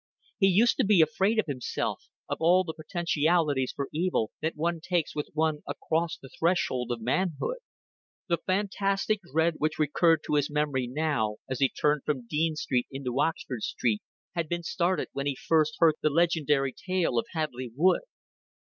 He used to be afraid of himself, of all the potentialities for evil that one takes with one across the threshold of manhood. The fantastic dread which recurred to his memory now, as he turned from Dean Street into Oxford Street, had been started when he first heard the legendary tale of Hadleigh Wood.